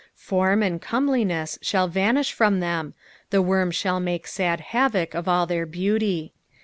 Form and comeliness shall vanish from them, the worm shall make sad havoc of all their beauty.